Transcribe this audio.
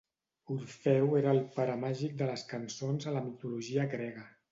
Orfeu era el pare màgic de les cançons a la mitologia grega.